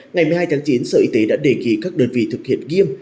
ngày một mươi hai tháng chín sở y tế đã đề nghị các đơn vị thực hiện nghiêm